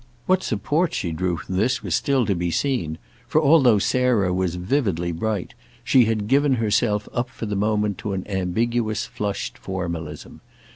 What support she drew from this was still to be seen, for, although Sarah was vividly bright, she had given herself up for the moment to an ambiguous flushed formalism.